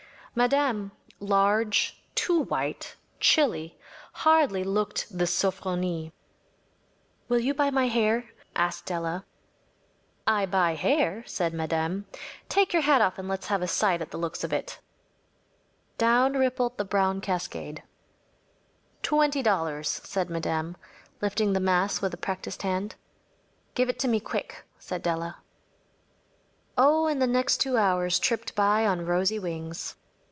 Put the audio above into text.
Madame, large, too white, chilly, hardly looked the ‚ÄúSofronie.‚ÄĚ “Will you buy my hair?‚ÄĚ asked Della. “I buy hair,‚ÄĚ said Madame. “Take yer hat off and let’s have a sight at the looks of it.‚ÄĚ Down rippled the brown cascade. “Twenty dollars,‚ÄĚ said Madame, lifting the mass with a practised hand. “Give it to me quick,‚ÄĚ said Della. Oh, and the next two hours tripped by on rosy wings.